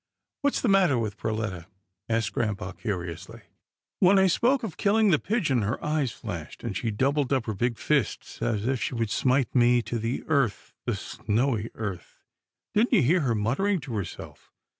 "What's the matter with Perletta?" asked grampa curiously. " When I spoke of killing the pigeon, her eyes flashed, and she doubled up her big fists as if she would smite me to the earth — the snowy earth. Didn't you hear her muttering to herself?